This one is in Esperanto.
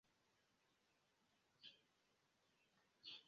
Tamen ne-oficiale oni ekuzis la nomon "Prusio" jam por la tuta teritorio.